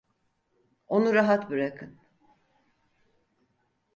Onu rahat bırakın!